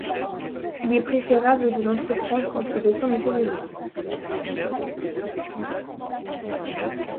Il est préférable de l'entreprendre entre décembre et février.